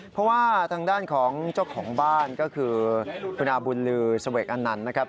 เพราะว่าทางด้านของเจ้าของบ้านก็คือคุณอาบุญลือเสวกอนันต์นะครับ